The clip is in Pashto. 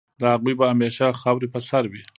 د هغوی به همېشه خاوري په سر وي